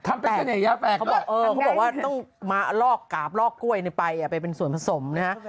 เขาบอกว่าต้องมาลอกกราบลอกกล้วยไปเป็นส่วนผสมนะครับ